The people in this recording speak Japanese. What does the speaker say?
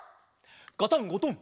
ガタンゴトン！